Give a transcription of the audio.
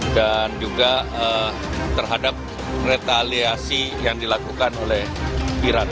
dan juga terhadap retaliasi yang dilakukan oleh iran